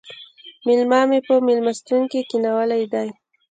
مېلما مې په مېلمستون کې کښېناولی دی